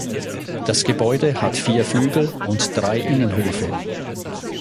Das Gebäude hat vier Flügel und drei Innenhöfe.